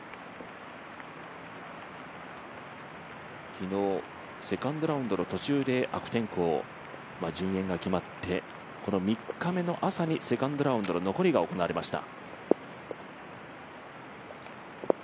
昨日、セカンドラウンドの途中で悪天候順延が決まってこの３日目の朝にセカンドラウンドの残りが行われました。